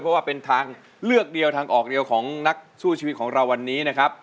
เพราะว่าเป็นทางเลือกเดียวทางออกเดียวของนักสู้ชีวิตของเราวันนี้นะครับ